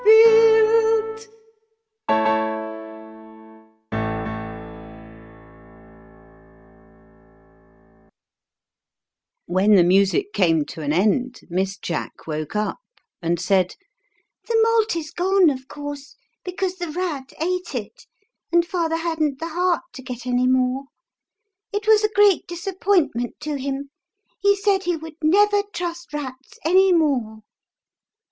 ^T^ r q tm 9 The plausible but faithless rat 55 When the music came to an end Miss Jack woke up and said, "The malt is gone, of course, because the rat ate it, and father hadn't the heart to get any more. It was a great disappointment to him ; he said he would never trust rats any more."